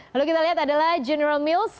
lalu kita lihat adalah general mils